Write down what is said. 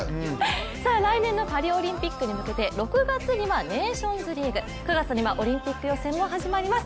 来年のパリオリンピックに向けて６月にはネーションズリーグ、９月にはオリンピック予選も始まります。